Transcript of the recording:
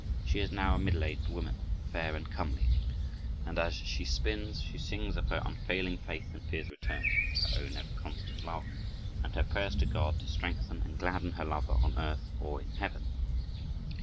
She is now a middle aged woman, fair and comely, and as she spins she sings of her unfailing faith in Peer's return, her own ever constant love, and her prayers to God to strengthen and gladden her lover on earth or in heaven.